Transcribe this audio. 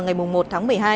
ngày một tháng một mươi hai